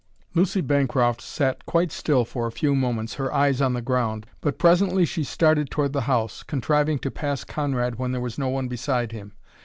Lucy Bancroft sat quite still for a few moments, her eyes on the ground, but presently she started toward the house, contriving to pass Conrad when there was no one beside him.